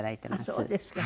あっそうですか。